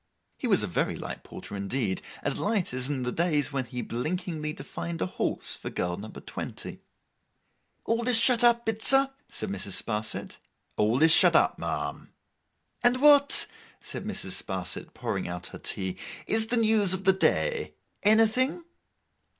He was a very light porter indeed; as light as in the days when he blinkingly defined a horse, for girl number twenty. 'All is shut up, Bitzer?' said Mrs. Sparsit. 'All is shut up, ma'am.' 'And what,' said Mrs. Sparsit, pouring out her tea, 'is the news of the day? Anything?